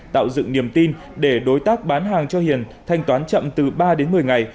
tạo dựng niềm tin để đối tác bán hàng cho hiền thanh toán chậm từ ba đến một mươi ngày